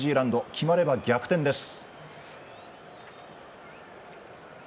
決まれば逆転です。